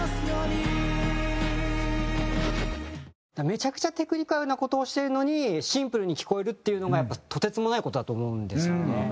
めちゃくちゃテクニカルな事をしているのにシンプルに聞こえるっていうのがやっぱとてつもない事だと思うんですよね。